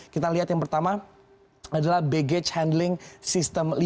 kita lihat yang pertama adalah baggage handling system lima